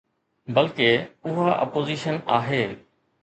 بلڪه، اها اپوزيشن آهي.